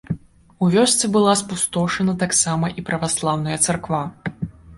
У вёсцы была спустошана таксама і праваслаўная царква.